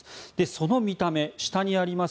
その見た目、下にあります